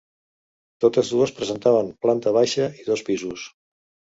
Totes dues presentaven planta baixa i dos pisos.